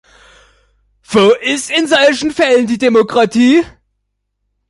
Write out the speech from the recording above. Wo ist in solchen Fällen die Demokratie?